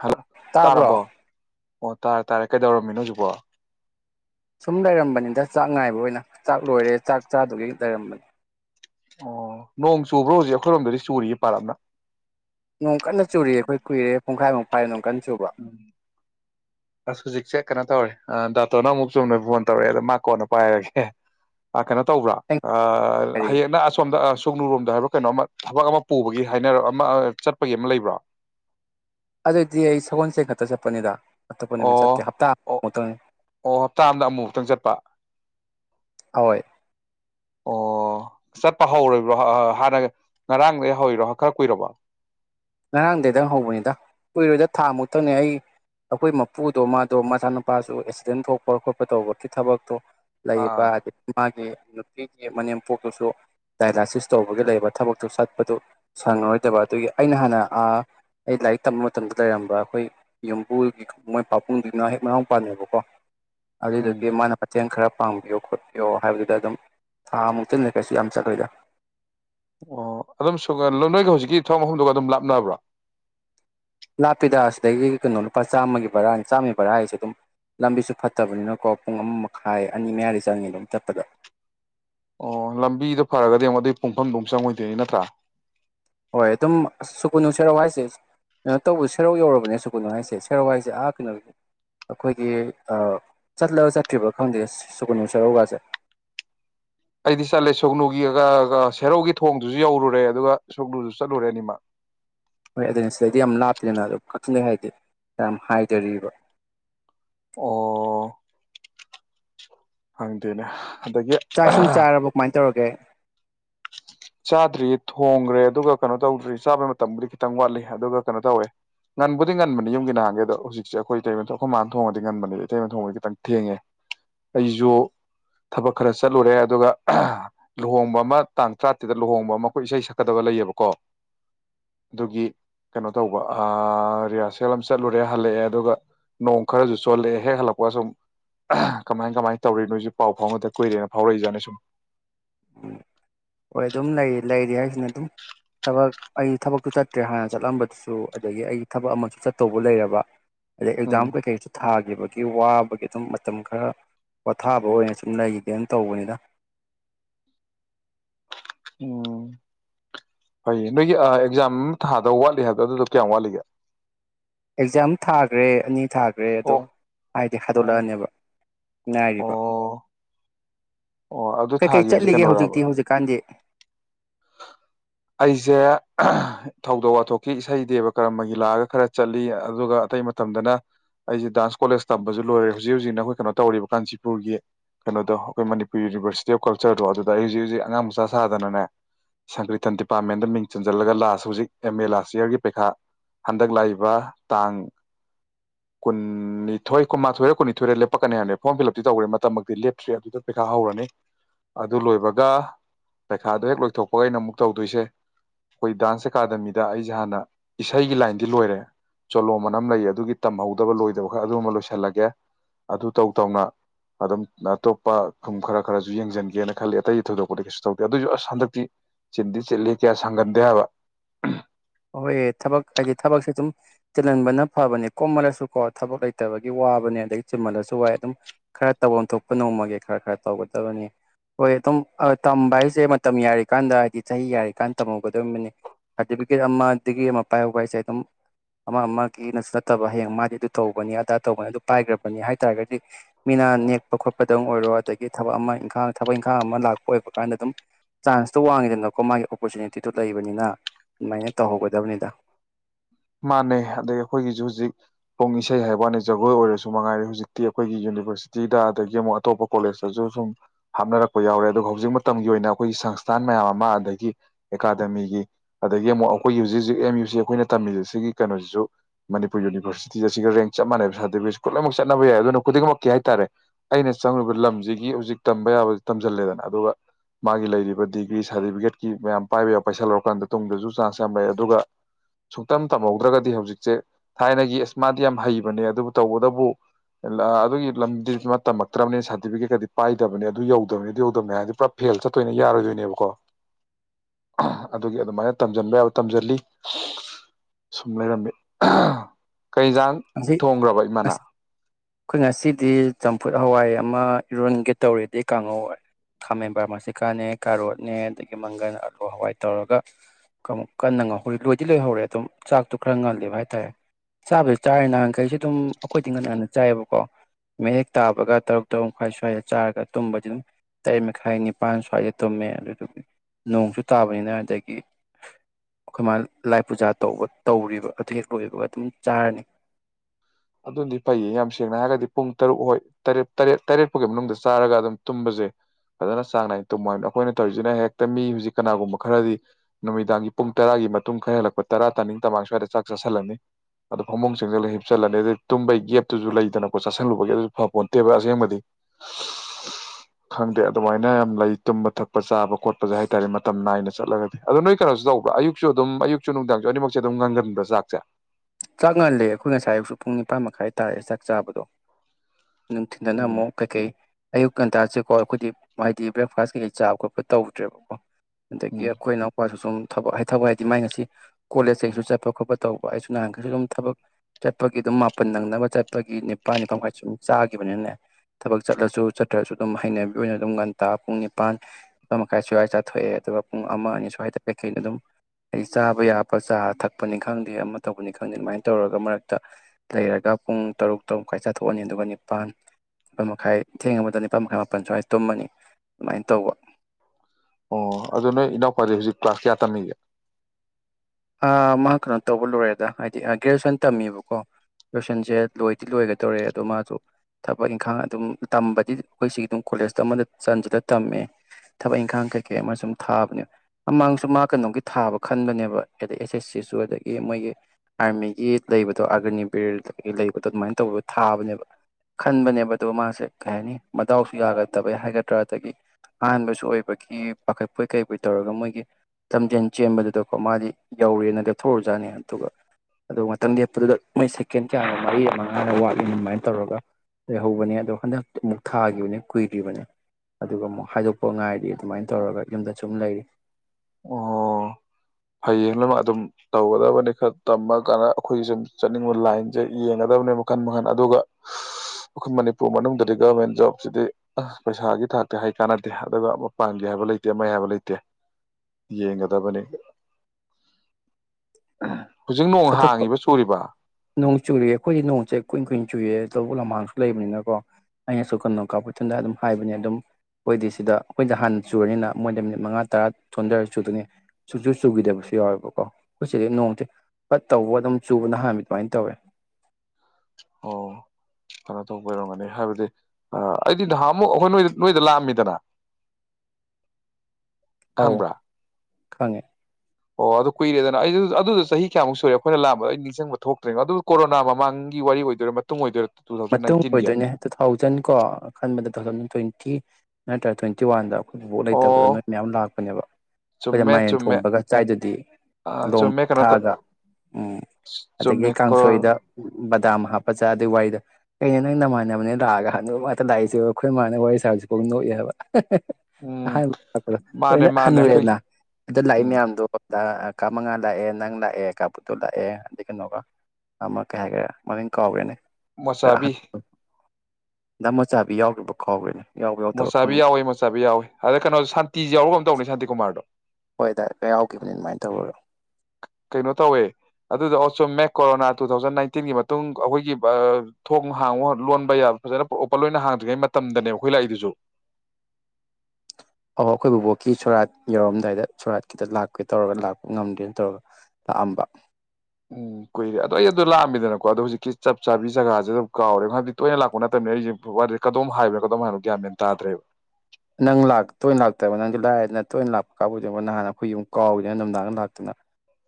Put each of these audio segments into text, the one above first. hello ꯇꯥꯕ꯭ꯔꯣ ꯇꯥꯔꯕꯣ ꯑꯣ ꯇꯥꯔꯦ ꯇꯥꯔꯦ ꯀꯩꯗꯧꯔꯝꯃꯤꯅꯣ ꯍꯧꯖꯤꯛꯄꯨ ꯁꯨꯝ ꯂꯩꯔꯝꯕꯅꯤꯗ ꯆꯥꯛ ꯉꯥꯏꯕ ꯑꯣꯏꯅ ꯆꯥꯛ ꯂꯣꯏꯔꯦ ꯆꯥꯛ ꯆꯥꯗꯨꯒꯤ ꯂꯩꯔꯝꯕꯅꯤ ꯑꯣ ꯅꯣꯡ ꯆꯨꯕ꯭ꯔꯣ ꯍꯧꯖꯤꯛ ꯑꯩꯈꯣꯏꯔꯣꯝꯗꯗꯤ ꯆꯨꯔꯤꯌꯦ ꯄꯥꯔꯞꯅ ꯅꯣꯡ ꯀꯟꯅ ꯆꯨꯔꯤ ꯑꯩꯈꯣꯏ ꯀꯨꯏꯔꯦ ꯄꯨꯡꯈꯥꯏꯃꯨꯡ ꯐꯥꯏ ꯑꯁ ꯍꯧꯖꯤꯛꯁꯦ ꯀꯅꯣ ꯇꯧꯔꯦ ꯑꯥ ꯗꯥꯇꯣꯅ ꯑꯃꯨꯛ ꯆꯨꯝꯅꯩ ꯐꯣꯟ ꯇꯧꯔꯛꯑꯦꯗꯣ ꯃꯥ ꯀꯣꯟꯅ ꯄꯥꯏꯔꯒꯦ ꯃꯥ ꯀꯩꯅꯣ ꯇꯧꯕ꯭ꯔꯥ ꯑꯩ ꯑꯥ ꯍꯥꯏꯔꯤ ꯍꯌꯦꯡ ꯑꯁꯣꯝꯗ ꯑꯥ ꯁꯨꯡꯅꯨꯔꯣꯝꯗ ꯍꯥꯏꯕ ꯀꯩꯅꯣ ꯑꯃ ꯊꯕꯛ ꯑꯃ ꯄꯨꯕꯒꯤ ꯍꯥꯏꯅꯔ ꯑꯃ ꯆꯠꯄꯒꯤ ꯑꯃ ꯂꯩꯕ꯭ꯔꯣ ꯑꯗꯨꯏꯗꯤ ꯑꯩ ꯁꯒꯣꯟꯁꯦꯟ ꯈꯛꯇ ꯆꯠꯄꯅꯤꯗ ꯑꯇꯣꯞꯄ ꯅꯨꯃꯤꯠ ꯑꯣ ꯆꯠꯇꯦ ꯑꯣ ꯍꯞꯇꯥꯃꯨꯛꯇꯪꯅꯤ ꯑꯣ ꯍꯞꯇꯥ ꯑꯃꯨꯛ ꯃꯨꯛꯇꯪ ꯆꯠꯄ ꯑꯌꯣꯏ ꯑꯣ ꯆꯠꯄ ꯍꯧꯔꯤꯕ꯭ꯔꯣ ꯍꯥꯟꯅ ꯉꯔꯥꯡꯗꯩ ꯍꯧꯌꯤꯔꯣ ꯈꯔ ꯀꯨꯏꯔꯕꯣ ꯉꯔꯥꯡꯗꯩꯗꯪ ꯍꯧꯕꯅꯤꯗ ꯀꯨꯏꯔꯣꯏꯗ ꯊꯥ ꯃꯨꯛꯇꯪꯅꯦ ꯑꯩ ꯑꯩꯈꯣꯏ ꯃꯄꯨꯗꯣ ꯃꯥꯗꯣ ꯃꯆꯥꯅꯨꯄꯥꯁꯨ ꯑꯦꯛꯁꯤꯗꯦꯟ ꯊꯣꯛꯄ ꯈꯣꯠꯄ ꯇꯧꯕꯒꯤ ꯊꯕꯛꯇꯣ ꯂꯩꯌꯦ ꯑꯥ ꯄꯗꯤ ꯃꯥ ꯗꯤ ꯅꯨꯄꯤꯒꯤ ꯃꯅꯦꯝꯄꯣꯛꯇꯨꯁꯨ ꯗꯥꯏꯂꯥꯏꯁꯤꯁ ꯇꯧꯕꯒꯤ ꯂꯩꯕ ꯊꯕꯛꯇꯨ ꯆꯠꯄꯗꯨ ꯁꯪꯉꯔꯣꯏꯗꯕ ꯑꯗꯨꯒꯤ ꯑꯩꯅ ꯍꯥꯟꯅ ꯑꯥ ꯑꯩ ꯂꯥꯏꯔꯤꯛ ꯇꯝꯕ ꯃꯇꯝꯗꯨꯗ ꯂꯩꯔꯝꯕ ꯑꯩꯈꯣꯏ ꯌꯨꯝꯕꯨꯒꯤ ꯃꯣꯏ ꯄꯥꯕꯨꯡꯗꯨꯒꯤ ꯍꯦꯛ ꯃꯅꯥꯎ ꯄꯥꯅꯦꯕꯀꯣ ꯎꯝ ꯑꯗꯨꯗꯨꯒꯤ ꯃꯥꯅ ꯄ ꯃꯇꯦꯡ ꯈꯔ ꯄꯥꯡꯕꯤꯌꯣ ꯈꯣꯠꯄꯤꯌꯣ ꯍꯥꯏꯕꯗꯨꯗ ꯑꯗꯨꯝ ꯊꯥ ꯑꯃꯨꯛꯇꯪꯅꯤ ꯀꯩꯁꯨ ꯌꯥꯝ ꯆꯠꯂꯣꯏꯗ ꯑꯣ ꯑꯗꯨꯝ ꯁꯨꯒꯠꯂꯣ ꯅꯣꯏꯒ ꯍꯧꯖꯤꯛꯀꯤ ꯊꯣꯡ ꯃꯐꯝꯗꯨꯒ ꯑꯗꯨꯝ ꯂꯥꯞꯅꯕ꯭ꯔꯣ ꯂꯥꯞꯄꯤꯗ ꯑꯁꯤꯗꯒꯤ ꯀꯩꯅꯣ ꯂꯨꯄꯥ ꯆꯥꯝꯃꯒꯤ ꯕꯔꯥꯅꯤ ꯆꯥꯝꯃꯩ ꯕꯔꯥ ꯍꯥꯏꯁꯦ ꯑꯗꯨꯝ ꯂꯝꯕꯤꯁꯨ ꯐꯠꯇꯕꯅꯤꯅꯀꯣ ꯄꯨꯡ ꯑꯃ ꯃꯈꯥꯏ ꯑꯅꯤ ꯃꯌꯥꯗꯤ ꯆꯪꯉꯦ ꯑꯗꯨꯝ ꯆꯠꯄꯗ ꯑꯣ ꯂꯝꯕꯤꯗ ꯐꯔꯒꯗꯤ ꯑꯃꯨꯛ ꯑꯗꯨꯏ ꯄꯨꯡꯐꯝꯗꯣ ꯑꯃꯨꯛ ꯆꯪꯉꯣꯏꯗꯣꯏꯅꯤ ꯅꯠꯇ꯭ꯔꯥ ꯍꯣꯏ ꯑꯗꯨꯝ ꯁꯨꯀꯨꯅꯨ ꯁꯦꯔꯧ ꯍꯥꯏꯁꯦ ꯀꯩꯅꯣ ꯇꯧꯕ ꯁꯦꯔꯧ ꯌꯧꯔꯕꯅꯦ ꯁꯨꯀꯨꯅꯨ ꯍꯥꯏꯁꯦ ꯁꯦꯔꯧ ꯍꯥꯏꯁꯦ ꯑꯥ ꯀꯩꯅꯣꯒꯤ ꯑꯩꯈꯣꯏꯒꯤ ꯆꯠꯂꯒ ꯆꯠꯇ꯭ꯔꯤꯕ ꯈꯪꯗꯦ ꯁꯨꯀꯨꯅꯨ ꯁꯦꯔꯧꯒꯁꯦ ꯑꯩꯗꯤ ꯆꯠꯂꯦ ꯁꯨꯒꯅꯨꯒꯤ ꯒꯒꯥ ꯁꯦꯔꯧꯒꯤ ꯊꯣꯡꯗꯨꯁꯨ ꯌꯧꯔꯨꯔꯦ ꯑꯗꯨꯒ ꯁꯨꯒꯅꯨꯗꯁꯨ ꯆꯠꯂꯨꯔꯦ ꯑꯅꯤꯃꯛ ꯍꯣꯏ ꯑꯗꯨꯍꯦꯟ ꯁꯤꯗꯩꯗꯤ ꯌꯥꯝ ꯂꯥꯞꯇꯔꯦꯅ ꯑꯗꯨ ꯀꯛꯆꯤꯡꯗꯩ ꯍꯥꯏꯗꯤ ꯃꯌꯥꯝ ꯍꯥꯏꯗꯔꯤꯕ ꯑꯣ ꯍꯪꯗꯦꯅꯦ ꯆꯥꯛ ꯏꯁꯤꯡ ꯆꯥꯔꯕ ꯀꯃꯥꯏꯅ ꯇꯧꯔꯒꯦ ꯆꯥꯗ꯭ꯔꯤ ꯊꯣꯡꯈ꯭ꯔꯦ ꯑꯗꯨꯒ ꯀꯩꯅꯣ ꯇꯧꯗ꯭ꯔꯤ ꯆꯥꯕꯩ ꯃꯇꯝꯕꯨꯗꯤ ꯈꯤꯇꯪ ꯋꯥꯠꯂꯤ ꯑꯗꯨꯒ ꯀꯩꯅꯣ ꯇꯧꯋꯦ ꯉꯟꯕꯨꯗꯤ ꯉꯟꯕꯅꯤ ꯌꯨꯝꯒꯤ ꯅꯍꯥꯟꯒꯦ ꯑꯗꯣ ꯍꯧꯖꯤꯛꯁꯦ ꯑꯩꯈꯣꯏ ꯏꯇꯩ ꯃꯣꯡ ꯑꯩꯈꯣꯏ ꯃꯥꯟ ꯊꯣꯡꯉꯗꯤ ꯉꯟꯕꯅꯤ ꯏꯇꯩꯃ ꯊꯣꯡꯗꯤ ꯈꯤꯇꯪ ꯊꯦꯡꯉꯦ ꯑꯩꯁꯨ ꯊꯕꯛ ꯈꯔ ꯆꯠꯂꯨꯔꯦ ꯑꯗꯨꯒ ꯂꯨꯍꯣꯡꯕ ꯑꯃ ꯇꯥꯡ ꯇꯥꯔꯇꯦꯇ ꯂꯨꯍꯣꯡꯕ ꯑꯃ ꯃꯈꯣꯏ ꯏꯁꯩ ꯁꯛꯀꯗꯕ ꯂꯩꯌꯦꯕꯀꯣ ꯑꯗꯨꯒꯤ ꯀꯦꯅꯣ ꯇꯧꯕ ꯑ ꯔꯤꯍꯔꯁꯦꯜ ꯑꯃ ꯆꯠꯂꯨꯔꯦ ꯍꯜꯂꯛꯑꯦ ꯑꯗꯨꯒ ꯅꯣꯡ ꯈꯔꯁꯨ ꯆꯣꯜꯂꯦ ꯍꯦꯛ ꯍꯜꯂꯛꯄꯒ ꯁꯨꯝ ꯀꯃꯥꯏ ꯀꯃꯥꯏꯅ ꯇꯧꯔꯤ ꯅꯣꯏꯁꯨ ꯄꯥꯎ ꯐꯥꯎꯅꯗ ꯀꯨꯏꯔꯦꯅ ꯐꯥꯎꯔꯛꯏꯖꯥꯠꯅꯦ ꯁꯨꯝ ꯍꯣꯏ ꯑꯗꯨꯝ ꯂꯩ ꯂꯩꯔꯤ ꯍꯥꯏꯁꯤꯅ ꯑꯗꯨꯝ ꯊꯕꯛ ꯑꯩ ꯊꯕꯛꯇꯨ ꯆꯠꯇ꯭ꯔꯦ ꯍꯥꯟꯅ ꯆꯠꯂꯝꯕꯗꯨꯁꯨ ꯑꯗꯒꯤ ꯑꯩꯒꯤ ꯊꯕꯛ ꯑꯃꯁꯨ ꯆꯠꯇꯧꯕ ꯂꯩꯔꯕ ꯑꯗꯩ ꯎꯝ ꯑꯦꯛꯖꯥꯝ ꯀꯩ ꯀꯩꯁꯨ ꯊꯥ ꯅꯤꯕꯒꯤ ꯋꯥꯕꯒꯤ ꯑꯗꯨꯝ ꯃꯇꯝ ꯈꯔ ꯄꯣꯊꯥꯕ ꯑꯣꯏꯅ ꯁꯨꯝ ꯂꯩꯒꯦꯅ ꯇꯧꯕꯅꯤꯗ ꯎꯝ ꯐꯩ ꯅꯣꯏꯒꯤ ꯑ ꯑꯦꯛꯖꯥꯝ ꯊꯥꯗꯕ ꯋꯥꯠꯂꯤ ꯍꯥꯏꯕꯗꯣ ꯑꯗꯨꯗꯣ ꯀꯌꯥꯝ ꯋꯥꯠꯂꯤꯒꯦ ꯑꯦꯛꯖꯥꯝ ꯊꯥꯈ꯭ꯔꯦ ꯑꯅꯤ ꯊꯥꯈ꯭ꯔꯦ ꯑꯗꯣ ꯑꯣ ꯍꯥꯏꯗꯤ ꯑꯣ ꯍꯥꯏꯗꯣꯛꯂꯛꯑꯅꯦꯕ ꯉꯥꯏꯔꯤꯕ ꯑꯣ ꯑꯣ ꯑꯗꯨ ꯀꯩꯀꯩ ꯊꯥꯈꯤꯕꯁꯦ ꯆꯠꯂꯤꯒꯦ ꯀꯩꯅꯣꯔꯕ ꯍꯧꯖꯤꯛꯇꯤ ꯍꯧꯖꯤꯛꯀꯥꯟꯗꯤ ꯑꯩꯁꯦ ꯊꯧꯗꯣꯛ ꯋꯥꯊꯣꯛꯀꯤ ꯏꯁꯩ ꯗꯦꯕ ꯀꯔꯝꯕꯒꯤ ꯂꯥꯛꯑꯒ ꯈꯔ ꯆꯠꯂꯤ ꯑꯗꯨꯒ ꯑꯇꯩ ꯃꯇꯝꯗꯅ ꯑꯩꯁꯦ ꯗꯥꯟꯁ ꯀꯣꯂꯦꯖ ꯇꯝꯕꯁꯨ ꯂꯣꯏꯔꯦ ꯍꯧꯖꯤꯛ ꯍꯧꯖꯤꯛꯅ ꯑꯩꯈꯣꯏ ꯀꯩꯅꯣ ꯇꯧꯔꯤꯕ ꯀꯥꯟꯆꯤꯄꯨꯔꯒꯤ ꯀꯩꯅꯣꯗꯣ ꯑꯩꯈꯣꯏ ꯃꯅꯤꯄꯨꯔ ꯌꯨꯅꯤꯚꯔꯁꯤꯇꯤ ꯑꯣꯐ ꯀꯜꯆꯔꯗꯣ ꯑꯗꯨꯗ ꯑꯩ ꯍꯧꯖꯤꯛ ꯍꯧꯖꯤꯛ ꯑꯉꯥꯡ ꯃꯆꯥ ꯁꯥꯗꯅꯅꯦ ꯁꯪꯀ꯭ꯔꯤꯇꯟꯇꯤ ꯗꯤꯄꯥꯔꯠꯃꯦꯟꯗ ꯃꯤꯡ ꯆꯟꯖꯜꯂꯒ ꯂꯥꯁ ꯍꯧꯖꯤꯛ ꯑꯦꯝ ꯑꯦ ꯂꯥꯁ ꯌꯦꯔꯒꯤ ꯄꯩꯈꯥ ꯍꯟꯗꯛ ꯂꯥꯛꯏꯕ ꯇꯥꯡ ꯀꯨꯟꯅꯤꯊꯣꯏ ꯀꯨꯟꯃꯥꯊꯣꯏꯔ ꯀꯨꯟꯅꯤꯊꯣꯏ ꯂꯦꯞꯄꯛꯀꯅꯤ ꯍꯥꯏꯕꯅꯦ ꯐꯣꯔꯝ ꯐꯤꯜ ꯑꯞꯇꯤ ꯇꯧꯈ꯭ꯔꯦ ꯃꯇꯝꯃꯛꯇꯤ ꯂꯦꯞꯇ꯭ꯔꯤ ꯑꯗꯨꯗ ꯄꯩꯈꯥ ꯍꯧꯔꯅꯤ ꯑꯗꯨ ꯂꯣꯏꯕꯒ ꯄꯩꯈꯥꯗ ꯍꯦꯛ ꯂꯣꯏꯊꯣꯛꯄꯒꯩꯅ ꯑꯃꯨꯛ ꯇꯧ ꯗꯨꯏꯁꯦ ꯑꯩꯈꯣꯏ ꯗꯥꯟꯁ ꯑꯦꯀꯥꯗꯃꯤꯗ ꯑꯩꯁꯦ ꯍꯥꯟꯅ ꯏꯁꯩꯒꯤ ꯂꯥꯏꯟꯗꯤ ꯂꯣꯏꯔꯦ ꯆꯣꯂꯣ ꯃꯅꯝ ꯂꯩ ꯑꯗꯨꯒꯤ ꯇꯝꯍꯧꯗꯕ ꯂꯣꯏꯗꯕ ꯈꯔ ꯑꯗꯨꯃ ꯂꯣꯏꯁꯤꯜꯂꯒꯦ ꯑꯗꯨ ꯇꯧ ꯇꯧꯅ ꯑꯗꯨꯝ ꯅꯇꯣꯞꯄ ꯊꯨꯝ ꯈꯔ ꯈꯔꯁꯨ ꯌꯦꯡꯁꯤꯟꯒꯦꯅ ꯈꯜꯂꯤ ꯑꯇꯩ ꯊꯣꯏꯗꯣꯛꯄꯗꯤ ꯀꯩꯁꯨ ꯇꯧꯗꯦ ꯑꯗꯨꯑꯣꯏꯁꯨ ꯑꯁ ꯍꯟꯗꯛꯇꯤ ꯆꯤꯟꯗꯤ ꯆꯤꯂꯤ ꯀꯌꯥ ꯁꯪꯒꯟꯗꯦ ꯍꯥꯏꯕ ꯍꯣꯏ ꯊꯕꯛ ꯍꯥꯏꯗꯤ ꯊꯕꯛꯁꯦ ꯑꯗꯨꯝ ꯆꯤꯜꯍꯟꯕꯅ ꯐꯕꯅꯦ ꯀꯣꯝꯃꯜꯂꯁꯨꯀꯣ ꯊꯕꯛ ꯂꯩꯇꯕꯒꯤ ꯋꯥꯕꯅꯦ ꯑꯗꯩ ꯆꯤꯟꯃꯜꯂꯁꯨ ꯋꯥꯏ ꯑꯗꯨꯝ ꯈꯔ ꯇꯧꯐꯝ ꯊꯣꯛꯄ ꯅꯣꯡꯃꯒꯤ ꯈꯔ ꯈꯔ ꯇꯧꯒꯗꯕꯅꯤ ꯍꯣꯏ ꯑꯗꯨꯝ ꯇꯝꯕ ꯍꯥꯏꯁꯦ ꯃꯇꯝ ꯌꯥꯔꯤꯀꯥꯟꯗ ꯍꯥꯏꯗꯤ ꯆꯍꯤ ꯌꯥꯔꯤꯀꯥꯟꯗ ꯇꯝꯍꯧꯒꯗꯕꯅꯦ ꯁꯔꯇꯤꯐꯤ ꯇꯤꯀꯦꯠ ꯑꯃ ꯗꯤꯒ꯭ꯔꯤ ꯑꯃ ꯄꯥꯏꯍꯧꯕ ꯍꯥꯏꯁꯦ ꯑꯗꯨꯝ ꯑꯃ ꯑꯃꯀꯤꯅ ꯆꯠꯇꯕ ꯍꯌꯦꯡ ꯃꯥꯗꯤ ꯑꯗꯨ ꯇꯧꯕꯅꯤ ꯑꯗꯥ ꯇꯧꯕꯅꯤ ꯑꯗꯨ ꯄꯥꯏꯈ꯭ꯔꯕꯅꯤ ꯍꯥꯏ ꯇꯥꯔꯒꯗꯤ ꯃꯤꯅ ꯅꯦꯛꯄ ꯈꯣꯠꯄꯗ ꯑꯃ ꯑꯣꯏꯔꯣ ꯑꯗꯩꯒꯤ ꯊꯕꯛ ꯑꯃ ꯏꯪꯈꯥꯡ ꯊꯕꯛ ꯏꯪꯈꯥꯡ ꯑꯃ ꯂꯥꯛꯄ ꯑꯣꯏꯕ ꯀꯥꯟꯗ ꯑꯗꯨꯝ ꯆꯥꯟꯁꯇꯣ ꯋꯥꯡꯢꯅꯀꯣ ꯃꯥꯒꯤ ꯑꯣꯄꯣꯔꯆꯨꯅꯤꯇꯤꯗꯨꯣ ꯂꯩꯕꯅꯤꯅ ꯑꯗꯨꯃꯥꯏꯅ ꯇꯧꯍꯧꯒꯗꯕꯅꯤꯗ ꯃꯥꯟꯅꯩ ꯍꯥꯢꯗꯤ ꯑꯩꯈꯣꯏꯒꯤꯁꯨ ꯍꯧꯖꯤꯛ ꯉꯄꯨꯡ ꯏꯁꯩ ꯍꯥꯏꯕ ꯋꯥꯅꯤ ꯖꯒꯣꯏ ꯑꯣꯏꯔꯁꯨ ꯃꯉꯥꯏꯔꯦ ꯍꯧꯖꯤꯛꯇꯤ ꯑꯩꯈꯣꯏꯒꯤ ꯌꯨꯅꯤꯕꯔꯁꯤꯇꯤꯗ ꯑꯗꯒꯤ ꯑꯃꯨꯛ ꯑꯇꯣꯞꯄ ꯀꯣꯂꯦꯁꯇꯁꯨ ꯁꯨꯝ ꯍꯥꯞꯅꯔꯛꯄ ꯌꯥꯎꯔꯦ ꯑꯗꯨꯒ ꯍꯧꯖꯤꯛ ꯃꯇꯝꯒꯤ ꯑꯣꯏꯅ ꯑꯩꯈꯣꯏꯒꯤ ꯁꯪꯁꯊꯥꯟ ꯃꯌꯥꯝ ꯑꯃ ꯑꯗꯒꯤ ꯑꯦꯀꯥꯗꯃꯤꯒꯤ ꯑꯗꯒꯤ ꯑꯃꯨꯛ ꯑꯩꯈꯣꯏꯒꯤ ꯍꯧꯖꯤꯛ ꯍꯧꯖꯤꯛ ꯑꯦꯝ ꯌꯨ ꯁꯤ ꯑꯩꯈꯣꯏꯅ ꯇꯝꯃꯤꯔꯤꯁꯦ ꯁꯤꯒꯤ ꯀꯩꯅꯣꯁꯤꯁꯨ ꯃꯅꯤꯄꯨꯔ ꯌꯨꯅꯤꯚꯔꯁꯤꯇꯤ ꯑꯁꯤꯒ ꯔꯦꯡ ꯆꯞ ꯃꯥꯟꯅꯩ ꯁꯥꯔꯇꯤꯐꯤꯀꯦꯠꯁꯨ ꯈꯨ ꯂꯣꯢꯅꯃꯛ ꯆꯠꯅꯕ ꯌꯥꯏ ꯑꯗꯨꯅ ꯈꯨꯗꯤꯡꯃꯛꯀꯤ ꯍꯥꯏꯇꯥꯔꯦ ꯑꯩꯅ ꯆꯪꯔꯨꯢꯕ ꯂꯝꯁꯤꯒꯤ ꯍꯧꯖꯤꯛ ꯇꯝꯕ ꯌꯥꯕ ꯇꯝꯁꯤꯜꯂꯦꯗꯅ ꯑꯗꯨꯒ ꯃꯥꯒꯤ ꯂꯩꯔꯤꯕ ꯗꯤꯒ꯭ꯔꯤ ꯁꯥꯔꯇꯤꯐꯤꯀꯦꯠꯀꯤ ꯃꯌꯥꯝ ꯄꯥꯏꯕ ꯌꯥꯕ ꯄꯩꯁꯥ ꯂꯧꯔꯀꯥꯟꯗ ꯇꯨꯡꯗꯁꯨ ꯆꯥꯟꯁ ꯌꯥꯝ ꯂꯩ ꯑꯗꯨꯒ ꯁꯨꯡꯇꯝ ꯇꯝꯍꯧꯗ꯭ꯔꯒꯗꯤ ꯍꯧꯖꯤꯛꯁꯦ ꯊꯥꯏꯅꯒꯤ ꯑꯦꯁ ꯃꯥꯗꯤ ꯌꯥꯝ ꯍꯩꯕꯅꯦ ꯑꯗꯨꯕꯨ ꯇꯧꯒꯨꯗꯕꯨ ꯑ ꯑꯗꯨꯒꯤ ꯂꯝꯗꯤ ꯃꯥ ꯇꯝꯃꯛꯇ꯭ꯔꯕꯅꯤ ꯁꯥꯔꯇꯤꯐꯤꯀꯦꯠꯀꯗꯤ ꯄꯥꯏꯗꯕꯅꯦ ꯑꯗꯨ ꯌꯧꯗꯕꯅꯤ ꯑꯗꯨ ꯌꯧꯗꯕꯅꯤ ꯍꯥꯏꯗꯤ ꯄꯨꯔꯥ ꯐꯦꯜ ꯆꯠꯇꯣꯏꯅ ꯌꯥꯔꯣꯏꯗꯣꯏꯅꯦꯕꯀꯣ ꯑꯗꯨꯒꯤ ꯑꯗꯨꯃꯥꯏꯅ ꯇꯝꯁꯤꯟꯕ ꯌꯥꯕ ꯇꯝꯁꯤꯜꯂꯤ ꯁꯨꯝ ꯂꯩꯔꯝꯃꯦ ꯀꯩꯖꯥꯡ ꯉꯁꯤ ꯊꯣꯡꯈ꯭ꯔꯕ ꯏꯃꯥꯅ ꯑꯁ ꯑꯩꯈꯣꯏ ꯉꯁꯤꯗꯤ ꯆꯝꯐꯨꯠ ꯍꯋꯥꯏ ꯑꯃ ꯏꯔꯣꯟꯒꯦ ꯇꯧꯔꯤꯗꯤ ꯀꯥꯡꯍꯧ ꯈꯥꯃꯦꯟꯕ ꯃꯁꯤꯀꯥꯅꯦ ꯀꯥꯔꯣꯠꯅꯦ ꯑꯗꯒꯤ ꯃꯪꯒꯟ ꯑꯥꯂꯨ ꯍꯋꯥꯏ ꯇꯧꯔꯒ ꯀꯡ ꯀꯟꯅ ꯉꯍꯧꯔꯤ ꯂꯣꯏꯗꯤ ꯂꯣꯏꯍꯧꯔꯦ ꯑꯗꯨꯝ ꯆꯥꯛꯇꯣ ꯈꯔ ꯉꯜꯂꯤꯕ ꯍꯥꯏꯇꯥꯔꯦ ꯆꯥꯕꯨꯗꯤ ꯆꯥꯔ ꯅꯍꯥꯟꯈꯩꯁꯨ ꯑꯗꯨꯝ ꯑꯩꯈꯣꯏꯗꯤ ꯉꯟꯅ ꯉꯟꯅ ꯆꯥꯏꯑꯦꯕꯀꯣ ꯃꯦ ꯍꯦꯛ ꯇꯥꯕꯒ ꯇꯔꯨꯛ ꯇꯔꯨꯛ ꯃꯈꯥꯏ ꯁ꯭ꯋꯥꯏꯗ ꯆꯥꯔꯒ ꯇꯨꯝꯕꯗꯤ ꯑꯗꯨꯝ ꯇꯔꯦꯠ ꯃꯈꯥꯏ ꯅꯤꯄꯥꯟ ꯁ꯭ꯋꯥꯏꯗ ꯇꯨꯝꯃꯦ ꯑꯗꯨꯗꯨꯒꯤ ꯅꯣꯡꯁꯨ ꯇꯥꯕꯅꯤꯅ ꯑꯗꯒꯤ ꯑꯩꯈꯣꯏ ꯃꯥ ꯂꯥꯏ ꯄꯨꯖꯥ ꯇꯧꯕ ꯇꯧꯔꯤꯕ ꯑꯗꯨ ꯍꯦꯛ ꯂꯣꯏꯕꯒ ꯑꯗꯨꯝ ꯆꯥꯔꯅꯤ ꯑꯗꯨꯗꯤ ꯐꯩꯌꯦ ꯌꯥꯝ ꯁꯦꯡꯅ ꯍꯥꯏꯔꯒꯗꯤ ꯄꯨꯡ ꯇꯔꯨꯛ ꯍꯣꯏ ꯇꯔꯦꯠ ꯇꯔꯦꯠ ꯇꯔꯦꯠ ꯐꯥꯎꯒꯤ ꯃꯅꯨꯡꯗ ꯆꯥꯔꯒ ꯑꯗꯨꯝ ꯇꯨꯝꯕꯁꯦ ꯐꯖꯅ ꯆꯥꯡ ꯅꯥꯏ ꯇꯨꯝꯃꯣꯏ ꯍꯥꯏꯕꯅ ꯑꯩꯈꯣꯏꯅ ꯇꯧꯔꯤꯁꯤꯅ ꯍꯦꯛꯇ ꯃꯤ ꯍꯧꯖꯤꯛ ꯀꯅꯥꯒꯨꯝꯕ ꯈꯔꯗꯤ ꯅꯨꯃꯤꯗꯥꯡꯒꯤ ꯄꯨꯡ ꯇꯔꯥꯒꯤ ꯃꯇꯨꯡ ꯈꯔ ꯍꯦꯜꯂꯛꯄ ꯇꯔꯥ ꯇꯥꯅꯤꯡ ꯇꯃꯥꯡ ꯁ꯭ꯋꯥꯏꯗ ꯆꯥꯛ ꯆꯥꯁꯤꯜꯂꯅꯤ ꯑꯗꯨꯗꯣ ꯐꯃꯨꯡ ꯆꯪꯁꯤꯜꯂ ꯍꯤꯞꯆꯜꯂꯅꯤ ꯑꯗꯨ ꯇꯨꯝꯕꯒꯤ ꯒꯦꯞꯇꯨꯁꯨ ꯂꯩꯗꯅꯀꯣ ꯆꯥꯁꯤꯜꯂꯨꯕꯒꯤ ꯑꯗꯨꯁꯨ ꯐꯄꯣꯟꯠꯇꯦꯕ ꯑꯁꯦꯡꯕꯗꯤ ꯈꯪꯗꯦ ꯑꯗꯨꯃꯥꯏꯅ ꯌꯥꯝ ꯂꯩ ꯇꯨꯝꯕ ꯊꯛꯄ ꯆꯥꯕ ꯈꯣꯠꯄꯁꯦ ꯍꯥꯏ ꯇꯔꯦ ꯃꯇꯝ ꯅꯥꯏꯅ ꯆꯠꯂꯒꯗꯤ ꯑꯗꯣ ꯅꯣꯏ ꯀꯩꯅꯣꯁꯨ ꯇꯧꯕ꯭ꯔꯥ ꯑꯌꯨꯛꯁꯨ ꯑꯗꯨꯝ ꯑꯌꯨꯛꯁꯨ ꯅꯨꯡꯗꯥꯡꯁꯨ ꯑꯅꯤꯃꯛꯁꯦ ꯑꯗꯨꯝ ꯉꯪꯒꯟꯕ꯭ꯔꯥ ꯆꯥꯛꯁꯦ ꯆꯥꯛ ꯉꯜꯂꯦ ꯑꯩꯈꯣꯏ ꯉꯁꯥꯏꯨꯁꯨ ꯄꯨꯡ ꯅꯤꯄꯥꯟ ꯃꯈꯥꯏ ꯇꯥꯔꯦ ꯆꯥꯛ ꯆꯥꯕꯗꯣ ꯅꯨꯡꯊꯤꯟꯗꯅ ꯎꯝ ꯑꯃꯨꯛ ꯀꯩꯀꯩ ꯑꯌꯨꯛ ꯉꯟꯇꯥ ꯀꯣ ꯑꯩꯈꯣꯏꯗꯤ ꯍꯥꯏꯗꯤ ꯕ꯭ꯔꯦꯛꯐꯥꯁ ꯀꯩꯀꯩ ꯆꯥꯕ ꯈꯣꯠꯄ ꯇꯧꯗ꯭ꯔꯦꯕꯀꯣ ꯑꯗꯩꯒꯤ ꯎꯝ ꯑꯈꯣꯏ ꯏꯅꯥꯎꯄꯥꯁꯨ ꯁꯨꯝ ꯊꯕꯛ ꯍꯥꯏ ꯊꯕꯛ ꯍꯥꯏꯗꯤ ꯃꯥꯏ ꯑꯁꯤ ꯀꯣꯂꯦꯖꯁꯨ ꯆꯠꯄ ꯈꯣꯠꯄ ꯇꯧꯕ ꯍꯥꯏ ꯅꯍꯥꯟꯈꯩꯁꯨ ꯑꯗꯨꯝ ꯊꯕꯛ ꯆꯠꯄꯒꯤ ꯑꯗꯨꯝ ꯃꯥꯄꯟ ꯅꯪꯅꯕ ꯆꯠꯄꯒꯤ ꯅꯤꯄꯥꯜ ꯅꯤꯄꯥꯥꯟ ꯃꯈꯥꯏ ꯁꯨꯝ ꯆꯥꯈꯤꯕꯅꯤꯅꯅꯦ ꯊꯕꯛ ꯆꯠꯂꯁꯨ ꯆꯠꯇ꯭ꯔꯁꯨ ꯑꯗꯨꯝ ꯍꯩꯅꯕꯤ ꯑꯣꯏꯅ ꯑꯗꯨꯝ ꯉꯒꯟꯇꯥ ꯄꯨꯡ ꯅꯤꯄꯜ ꯅꯤꯄꯥꯥꯟ ꯃꯈꯥꯏ ꯁ꯭ꯋꯥꯏꯗ ꯆꯥꯊꯣꯛꯑꯦ ꯑꯗꯨꯒ ꯄꯨꯡ ꯑꯃ ꯑꯅꯤ ꯁ꯭ꯋꯥꯏꯗ ꯀꯩꯀꯩꯅ ꯑꯗꯨꯝ ꯍꯥꯏꯗꯤ ꯆꯥꯕ ꯌꯥꯕ ꯆꯥ ꯊꯛꯄꯅꯤ ꯈꯪꯗꯦ ꯑꯃ ꯇꯧꯕꯅꯤ ꯈꯪꯅꯤ ꯑꯗꯨꯃꯥꯏꯅ ꯇꯧꯔꯒ ꯃꯔꯛꯇ ꯂꯩꯔꯒ ꯄꯨꯡ ꯇꯔꯨꯛ ꯇꯔꯨꯛ ꯃꯈꯥꯏ ꯆꯥꯊꯣꯛꯑꯅꯤ ꯑꯗꯨꯒ ꯅꯤꯄꯥꯜ ꯅꯤꯄꯥꯜ ꯃꯈꯥꯏ ꯊꯦꯡꯉꯕꯗ ꯅꯤꯄꯥꯜ ꯃꯈꯥꯏ ꯃꯥꯄꯜ ꯁ꯭ꯋꯥꯏꯗ ꯇꯨꯝꯃꯅꯤ ꯑꯗꯨꯃꯥꯏꯅ ꯇꯧꯕ ꯑꯣ ꯑꯗꯨ ꯅꯣꯏ ꯏꯅꯥꯎ ꯄꯥꯗꯤ ꯍꯧꯖꯤꯛ ꯀ꯭ꯂꯥꯁ ꯀꯌꯥ ꯇꯃꯤꯒꯦ ꯃꯥ ꯀꯩꯅꯣ ꯇꯧꯕ ꯂꯣꯏꯔꯦꯗ ꯍꯥꯏꯗꯤ ꯒ꯭ꯔꯦꯖꯨꯋꯌꯦꯁꯟ ꯇꯝꯃꯦꯕꯀꯣ ꯒ꯭ꯔꯦꯖꯨꯋꯦꯁꯟꯁꯦ ꯂꯣꯏꯗꯤ ꯂꯣꯏꯒꯗꯧꯔꯦ ꯑꯗꯣ ꯃꯥꯁꯨ ꯊꯕꯛ ꯏꯪꯈꯥꯡ ꯑꯗꯨꯝ ꯇꯝꯕꯗꯤ ꯑꯩꯈꯣꯏ ꯁꯤꯒꯤ ꯑꯗꯨꯝ ꯀꯣꯂꯦꯖꯇ ꯑꯃꯅ ꯆꯟꯁꯤꯗ ꯇꯝꯃꯦ ꯊꯕꯛ ꯏꯪꯈꯥꯡ ꯀꯩꯀꯩ ꯑꯃ ꯁꯨꯝ ꯊꯥꯕꯅꯦ ꯑꯃꯥꯡꯁꯨ ꯃꯥ ꯀꯩꯅꯣꯝꯒꯤ ꯊꯥꯕ ꯈꯟꯕꯅꯦꯕ ꯑꯗꯩ ꯑꯦꯁ ꯑꯦꯁ ꯁꯤꯁꯨ ꯑꯗꯒꯤ ꯃꯣꯏꯒꯤ ꯑꯥꯔꯃꯤꯒꯤ ꯂꯩꯕꯗꯣ ꯑꯥꯔꯒꯅꯤ ꯕꯤꯔꯜꯒꯤ ꯂꯩꯕꯗꯣ ꯑꯗꯨꯃꯥꯏꯅ ꯇꯧꯕꯗꯣ ꯊꯥꯕꯅꯦꯕ ꯈꯟꯕꯅꯦꯕ ꯑꯗꯣ ꯃꯥꯁꯦ ꯀꯩ ꯍꯥꯏꯅꯤ ꯃꯗꯥꯎꯁꯨ ꯌꯥꯒꯗꯕꯩ ꯍꯥꯏꯒꯗ꯭ꯔꯥ ꯑꯗꯒꯤ ꯑꯍꯥꯟꯕꯁꯨ ꯑꯣꯏꯕꯒꯤ ꯄꯥꯈꯠꯄꯣꯏ ꯀꯩꯕꯣꯏ ꯇꯧꯔꯒ ꯃꯣꯏꯒꯤ ꯂꯝꯖꯦꯟ ꯆꯦꯟꯕꯗꯨꯗꯀꯣ ꯃꯥꯗꯤ ꯌꯧꯔꯦꯅ ꯂꯦꯞꯊꯣꯛꯎꯔꯖꯥꯠꯅꯦ ꯑꯗꯨꯒ ꯑꯗꯣ ꯉꯥꯛꯇꯪ ꯂꯦꯞꯄꯗꯨꯗ ꯃꯣꯏ ꯁꯦꯀꯦꯟ ꯀꯌꯥꯅꯣ ꯃꯔꯤ ꯃꯉꯥꯅ ꯋꯥꯠꯂꯦꯅ ꯑꯗꯨꯃꯥꯏꯅ ꯇꯧꯔꯒ ꯂꯩꯍꯧꯕꯅꯦ ꯑꯗꯣ ꯍꯟꯗꯛꯇ ꯑꯃꯨꯛ ꯊꯥꯈꯤꯕꯅꯤ ꯀꯨꯏ꯭ꯔꯤꯕꯅꯦ ꯑꯗꯨꯒ ꯑꯃꯨꯛ ꯍꯥꯏꯗꯣꯛꯄ ꯉꯥꯏꯔꯤ ꯑꯗꯨꯃꯥꯏꯅ ꯇꯧꯔꯒ ꯌꯨꯝꯗ ꯁꯨꯝ ꯂꯩꯔꯤ ꯑꯣ ꯐꯩꯌꯦ ꯂꯣꯏꯅꯃꯛ ꯑꯗꯨꯝ ꯇꯧꯒꯗꯕꯅꯦ ꯈꯔ ꯇꯝꯃ ꯀꯥꯟꯗ ꯑꯩꯈꯣꯏꯒꯤ ꯁꯨꯝ ꯆꯠꯅꯤꯡꯕ ꯂꯥꯏꯟꯁꯦ ꯌꯦꯡꯒꯗꯕꯅꯦ ꯃꯈꯟ ꯃꯈꯟ ꯑꯗꯨꯒ ꯑꯩꯈꯣꯏ ꯃꯅꯤꯄꯨꯔ ꯃꯅꯨꯡꯗꯗꯤ ꯒꯔꯃꯦꯟ ꯖꯣꯞꯁꯤꯗꯤ ꯄꯩꯁꯥꯒꯤ ꯊꯥꯛꯇꯤ ꯍꯥꯏ ꯀꯥꯟꯅꯗꯦ ꯑꯗꯨꯒ ꯃꯄꯥꯟꯒꯤ ꯍꯥꯏꯕ ꯂꯩꯇꯦ ꯑꯃꯒꯤ ꯍꯥꯏꯕ ꯂꯩꯇꯦ ꯌꯦꯡꯒꯗꯕꯅꯦ ꯑꯇꯣꯞꯄ ꯅꯣꯡ ꯆꯨꯔꯤꯌꯦ ꯑꯩꯈꯣꯏꯗꯤ ꯅꯣꯡꯁꯦ ꯀꯨꯏꯟ ꯀꯨꯏꯟ ꯆꯨꯏꯦ ꯂꯧꯕꯨꯛ ꯂꯝꯍꯥꯡꯁꯨ ꯂꯩꯕꯅꯤꯅꯀꯣ ꯑꯩꯅꯁꯨ ꯀꯩꯅꯣ ꯀꯥꯕꯨꯇꯣꯟꯗ ꯑꯗꯨꯝ ꯍꯥꯏꯕꯅꯤ ꯑꯗꯨꯝ ꯑꯩꯈꯣꯏꯗꯤ ꯁꯤꯗ ꯑꯩꯈꯣꯏꯗ ꯍꯥꯟꯅ ꯆꯨꯔꯅꯤꯅ ꯃꯣꯏꯗ ꯃꯤꯅꯤꯠ ꯃꯉꯥ ꯇꯔꯥ ꯆꯣꯟꯊꯔꯒ ꯆꯨꯗꯅꯤ ꯁꯨꯛꯁꯨꯨ ꯆꯨꯈꯤꯗꯕꯁꯨ ꯌꯥꯎꯋꯦꯕꯀꯣ ꯑꯩꯈꯣꯏ ꯁꯤꯗꯤ ꯅꯣꯡꯁꯦ ꯄꯠ ꯇꯧꯕ ꯑꯗꯨꯝ ꯆꯨꯕ ꯅꯍꯥꯟꯃꯤ ꯑꯗꯨꯃꯥꯏꯅ ꯇꯧꯋꯦ ꯑꯣ ꯀꯩꯅꯣ ꯇꯧꯕꯩ ꯑꯣꯏꯔꯝꯒꯅꯤ ꯍꯥꯏꯕꯗꯤ ꯑꯩꯗꯤ ꯅꯍꯥꯟꯃꯨꯛ ꯑꯩꯈꯣꯏ ꯅꯣꯏ ꯅꯣꯏꯗ ꯂꯥꯛꯑꯝꯃꯤꯗꯅ ꯑꯧ ꯈꯪꯕ꯭ꯔꯥ ꯈꯪꯉꯦ ꯑꯣ ꯑꯗꯨ ꯀꯨꯏꯔꯦꯗꯅ ꯑꯩ ꯑꯗꯨꯗ ꯆꯍꯤ ꯀꯌꯥꯃꯨꯛ ꯁꯨꯔꯦ ꯑꯩꯈꯣꯏꯅ ꯂꯥꯝꯕꯗ ꯑꯩ ꯅꯤꯡꯁꯤꯡꯕ ꯊꯣꯛꯇ꯭ꯔꯤꯕ ꯑꯗꯨ ꯀꯣꯔꯣꯅꯥ ꯃꯃꯥꯡꯒꯤ ꯋꯥꯔꯤ ꯑꯣꯏꯗꯣꯏꯔꯥ ꯃꯇꯨꯡ ꯑꯣꯏꯗꯣꯏꯔꯥ ꯇꯨ ꯊꯥꯎꯖꯟ ꯃꯇꯨꯡ ꯅꯥꯏꯟꯇꯤꯟꯒꯤ ꯑꯣꯏꯗꯣꯏꯅꯦ ꯇꯨ ꯊꯥꯎꯖꯟ ꯀꯣ ꯈꯟꯕꯗ ꯇꯨ ꯊꯥꯎꯖꯟ ꯇ꯭ꯋꯦꯟꯇꯤ ꯅꯠꯇ꯭ꯔ ꯇ꯭ꯋꯦꯟꯇꯤ ꯋꯥꯟꯗ ꯑꯩꯈꯣꯏ ꯕꯨꯕꯣꯛ ꯂꯩꯇꯕꯗ ꯑꯣ ꯅꯣꯏ ꯃꯌꯥꯝ ꯂꯥꯛꯄꯅꯦꯕ ꯑꯩꯈꯣꯏꯗ ꯆꯨꯝꯃꯦ ꯃꯥꯏꯔꯦꯟ ꯆꯨꯝꯃꯦ ꯊꯣꯡꯕꯒ ꯆꯥꯏꯗꯨꯗꯤ ꯑ ꯀꯂꯣꯝ ꯆꯨꯝꯃꯦ ꯀꯩꯅꯣ ꯇꯧ ꯊꯥꯛꯑꯒ ꯎꯝ ꯑꯗꯒꯤ ꯆꯨꯝꯃꯦ ꯀꯣꯔ ꯀꯥꯡꯁꯣꯏꯗ ꯗꯥꯝ ꯍꯥꯞꯄ ꯆꯥꯗꯦ ꯋꯥꯔꯤꯗ ꯑꯩꯅ ꯅꯪ ꯅꯃꯥꯟꯅꯕꯅꯦ ꯂꯥꯛꯑꯒ ꯍꯅꯨꯕ ꯉꯥꯛꯇ ꯂꯥꯛꯏꯁꯦ ꯑꯩꯈꯣꯏ ꯃꯥꯅ ꯋꯥꯔꯤ ꯁꯥꯁꯨ ꯍꯧꯖꯤꯛꯐꯥꯎ ꯅꯣꯛꯏ ꯍꯥꯏꯕ ꯍꯦ ꯍꯦ ꯍꯦ ꯎꯝ ꯑꯍꯟꯕꯗꯣ ꯃꯥꯅꯦ ꯂꯣꯏꯅ ꯃꯥꯅꯦ ꯍꯟꯅꯨꯔꯦꯗꯅ ꯑꯩꯈꯣꯏꯒꯤ ꯑꯗ ꯂꯥꯛꯏ ꯎꯝ ꯃꯌꯥꯝꯗꯣ ꯀꯥ ꯃꯉꯥ ꯂꯥꯛꯑꯦ ꯅꯪ ꯂꯥꯛꯑꯦ ꯀꯥꯕꯨꯠꯇꯣ ꯂꯥꯛꯑꯦ ꯑꯗꯩꯩ ꯀꯩꯅꯣꯒ ꯑꯃ ꯀꯩ ꯍꯥꯏꯒꯔꯦ ꯃꯃꯤꯡ ꯀꯥꯎꯈ꯭ꯔꯦꯅꯦ ꯃꯣꯆꯥꯕꯤ ꯗ ꯃꯣꯆꯥꯕꯤ ꯌꯥꯎꯗꯕ꯭ꯔꯣ ꯀꯥꯎꯒ꯭ꯔꯦꯅꯦ ꯃꯣꯆꯥꯕꯤ ꯌꯥꯎꯋꯦ ꯃꯣꯆꯥꯕꯤ ꯌꯥꯎꯋꯦ ꯑꯗ ꯀꯩꯅꯣ ꯁꯥꯟꯇꯤꯖꯨ ꯌꯥꯎꯕꯔ ꯀꯩꯅꯣꯝ ꯇꯧꯕꯅꯦ ꯁꯥꯟꯇꯤꯀꯨꯃꯥꯔꯗꯣ ꯍꯣꯏ ꯗꯥꯏ ꯌꯥꯎꯈꯤꯕꯅꯤ ꯑꯗꯨꯃꯥꯏꯅ ꯇꯧꯔꯒ ꯀꯩꯅꯣ ꯇꯧꯋꯦ ꯑꯗꯨꯗ ꯑꯣꯆꯨꯝꯃꯦ ꯀꯣꯔꯣꯅꯥ ꯇꯨ ꯊꯥꯎꯖꯟ ꯅꯥꯏꯟꯇꯤꯟꯒꯤ ꯃꯇꯨꯡ ꯑꯩꯈꯣꯏꯒꯤ ꯊꯣꯡ ꯍꯥꯡꯕ ꯂꯣꯟꯕ ꯌꯥꯕ ꯐꯖꯅ ꯄ꯭ꯔꯣꯄꯔ ꯂꯣꯏꯅ ꯍꯥꯡꯗ꯭ꯔꯤꯉꯩ ꯃꯇꯝꯗꯅꯦꯕ ꯑꯩꯈꯣꯏ ꯂꯥꯛꯏꯗꯨꯁꯨ ꯑꯣ ꯑꯩꯈꯣꯏ ꯕꯨꯕꯣꯛꯀꯤ ꯁꯣꯔꯥꯠ ꯌꯧꯔꯝꯗꯥꯏꯗ ꯁꯣꯔꯥꯠꯇ ꯂꯥꯛꯀꯦ ꯇꯧꯔꯒ ꯂꯥꯛꯄ ꯉꯝꯗ꯭ꯔꯦꯅ ꯇꯧꯔꯒ ꯂꯥꯛꯑꯝꯕ ꯎꯝ ꯀꯨꯏꯔꯦ ꯑꯗꯣ ꯑꯩ ꯑꯗꯨꯗꯣ ꯂꯥꯛꯑꯝꯃꯤꯗꯅꯀꯣ ꯑꯗꯣ ꯍꯧꯖꯤꯛꯀꯤ ꯆꯞ ꯆꯥꯕꯤ ꯖꯒꯥꯁꯦ ꯑꯗꯨꯝ ꯀꯥꯎꯔꯦ ꯍꯥꯏꯕꯗꯤ ꯇꯣꯏꯅ ꯂꯥꯛꯄ ꯅꯠꯇꯕꯅꯤꯅ ꯑꯩꯁꯦ ꯋꯥꯔꯤ ꯀꯗꯣꯝ ꯍꯥꯏꯕ꯭ꯔꯥ ꯀꯗꯣꯝ ꯍꯥꯏꯕꯅꯣ ꯒꯌꯥꯟ ꯃꯦꯟ ꯇꯥꯗ꯭ꯔꯦꯕ ꯅꯪ ꯂꯛ ꯇꯣꯏꯅ ꯂꯥꯛꯇꯕ ꯅꯪꯗꯤ ꯂꯥꯏꯔꯗꯅ ꯇꯣꯏꯅ ꯂꯥꯛꯄ ꯀꯥꯕꯨꯖꯦꯟ ꯅꯍꯥꯟ ꯑꯩꯈꯣꯏ ꯌꯨꯝ ꯀꯥꯎꯒꯤꯗꯅ ꯅꯨꯡꯗꯥꯡꯅ ꯂꯥꯛꯇꯅ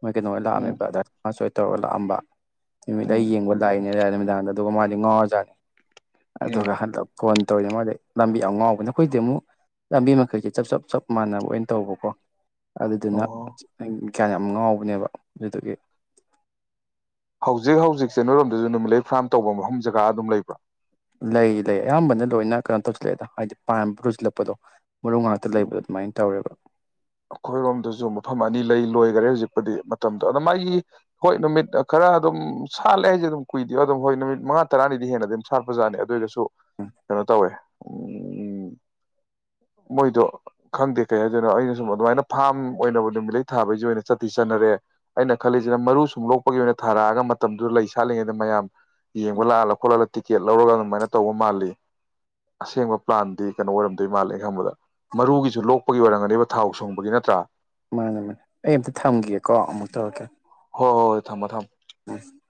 ꯃꯣꯏ ꯀꯩꯅꯣ ꯍꯣꯏ ꯎꯝ ꯂꯥꯛꯑꯝꯃꯦꯕ ꯗ ꯁꯅ ꯇꯧꯔꯒ ꯂꯛꯑꯝꯕ ꯅꯨꯃꯤꯠ ꯂꯩ ꯎꯝ ꯌꯦꯡꯕ ꯂꯥꯛꯏꯅꯦ ꯑꯗꯨꯝ ꯑꯗꯨꯗꯨꯒ ꯃꯥꯗꯤ ꯉꯥꯎꯔꯖꯥꯠꯅꯤ ꯑꯗꯨ ꯎꯝ ꯍꯟꯗꯛ ꯐꯣꯟ ꯇꯧꯔꯤꯅꯦ ꯃꯥꯗꯤ ꯂꯝꯕꯤ ꯌꯥꯝ ꯉꯥꯎꯕꯅꯦ ꯑꯩꯈꯣꯏꯗꯤ ꯑꯃꯨꯛ ꯂꯝꯕꯤ ꯃꯈꯩꯁꯦ ꯆꯞ ꯆꯞ ꯆꯞ ꯃꯥꯟꯅꯕ ꯑꯣꯏꯅ ꯇꯧꯕꯀꯣ ꯑꯗꯨꯗꯨꯅ ꯑꯣ ꯀꯤꯌꯥꯟ ꯌꯥꯝ ꯉꯥꯎꯕꯅꯦꯕ ꯑꯗꯨꯗꯨꯒꯤ ꯍꯧꯖꯤꯛ ꯍꯧꯖꯤꯛꯁꯦ ꯅꯣꯏꯔꯣꯝꯗꯁꯨ ꯅꯨꯃꯤꯠꯂꯩ ꯐꯥꯔꯝ ꯇꯧꯕ ꯃꯐꯝ ꯖꯒꯥ ꯑꯗꯨꯝ ꯂꯩꯕ꯭ꯔꯣ ꯂꯩ ꯂꯩ ꯑꯌꯥꯝꯕꯅ ꯂꯣꯏꯅ ꯀꯩꯅꯣ ꯇꯧꯁꯤꯜꯂꯛꯑꯦꯗ ꯍꯥꯏꯗꯤ ꯄꯥꯟꯕ ꯂꯣꯏꯁꯤꯜꯂꯛꯄꯗꯣ ꯃꯔꯨ ꯉꯥꯛꯇ ꯂꯩꯕꯗꯣ ꯑꯗꯨꯃꯥꯏꯅ ꯇꯧꯔꯦꯕ ꯑꯩꯈꯣꯏꯔꯣꯝꯗꯁꯨ ꯃꯐꯝ ꯑꯅꯤ ꯂꯩ ꯂꯣꯏꯈꯔꯦ ꯍꯧꯖꯤꯛꯄꯨꯗꯤ ꯃꯇꯝꯗꯣ ꯑꯗ ꯃꯥꯒꯤ ꯍꯣꯏ ꯅꯨꯃꯤꯠ ꯈꯔ ꯑꯗꯨꯝ ꯁꯥꯠꯂꯦ ꯍꯥꯏꯁꯦ ꯑꯗꯨꯝ ꯀꯨꯏꯗꯦ ꯑꯗꯨꯝ ꯍꯣꯏ ꯅꯨꯃꯤꯠ ꯃꯉꯥ ꯇꯥꯔꯥꯅꯤ ꯍꯦꯟꯅ ꯑꯗꯨꯝ ꯁꯥꯠꯄ ꯁꯥꯅꯦ ꯑꯗꯣꯁꯨ ꯎꯝ ꯀꯩꯅꯣ ꯇꯧꯑ ꯑꯝ ꯃꯣꯢꯗꯣ ꯈꯪꯗꯦ ꯀꯩꯍꯥꯏꯗꯣꯅꯣ ꯁꯨꯝ ꯑꯗꯨꯃꯥꯏꯅ ꯐꯥꯔꯝ ꯑꯣꯏꯅꯕ ꯅꯨꯃꯤꯠꯂꯩ ꯊꯥꯕꯩꯖꯨ ꯑꯣꯏꯅ ꯆꯠꯇꯤ ꯆꯠꯅꯔꯦ ꯑꯩꯅ ꯈꯜꯂꯤꯖꯤꯅ ꯃꯔꯨ ꯁꯨꯝ ꯂꯣꯛꯄꯒꯤ ꯑꯣꯏꯅ ꯊꯥꯔꯛꯑꯒ ꯃꯇꯝꯗꯨꯗ ꯂꯩ ꯁꯥꯠꯂꯤꯉꯩꯗ ꯃꯌꯥꯝ ꯌꯦꯡ ꯂꯥꯛꯂ ꯈꯣꯠꯂꯤ ꯇꯤ ꯆꯦꯠ ꯂꯧꯔꯒ ꯑꯗꯨꯃꯥꯏꯅ ꯇꯧꯕ ꯃꯥꯜꯂꯤ ꯑꯁꯦꯡꯕ ꯄ꯭ꯂꯥꯟꯗꯤ ꯀꯩꯅꯣ ꯑꯣꯏꯔꯝꯗꯣꯏ ꯃꯥꯜꯂꯦ ꯈꯪꯕꯗ ꯃꯔꯨꯒꯤꯁꯨ ꯂꯣꯛꯄꯒꯤ ꯑꯣꯏꯔꯝꯒꯅꯤꯕ ꯊꯥꯎ ꯁꯨꯡꯕꯒꯤ ꯅꯠꯇ꯭ꯔꯥ ꯃꯥꯅꯦ ꯃꯥꯅꯦ ꯑꯩ ꯑꯝꯇ ꯊꯝꯒꯒꯦꯀꯣ ꯑꯃꯨ ꯇꯧꯔꯛꯀꯦ ꯍꯣꯏ ꯍꯣꯏ ꯍꯣꯏ ꯊꯝꯃꯣ ꯊꯝꯃꯣ ꯎꯝ